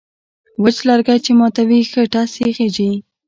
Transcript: وچ لرگی چې ماتوې، ښه ټس یې خېژي.